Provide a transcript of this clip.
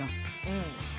うん。